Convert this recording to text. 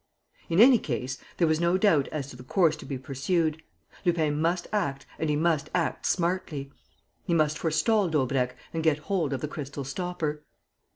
In any case, there was no doubt as to the course to be pursued: Lupin must act and he must act smartly. He must forestall Daubrecq and get hold of the crystal stopper.